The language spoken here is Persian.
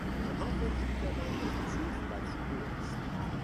آنها فکر میکردند که خسوف بدشگون است.